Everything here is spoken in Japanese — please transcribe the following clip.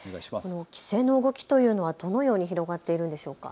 規制の動きというのはどのように広がっているんでしょうか。